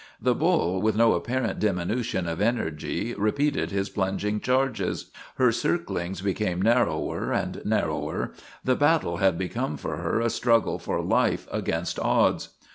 The bull, with no apparent diminution of energy, repeated his plunging charges. Her cir clings became narrower and narrower; the battle had become for her a struggle for life against odds.